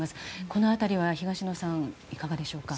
この辺りは、東野さんいかがでしょうか。